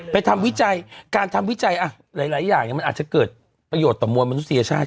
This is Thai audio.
ทำวิจัยการทำวิจัยหลายอย่างมันอาจจะเกิดประโยชน์ต่อมวลมนุษยชาติ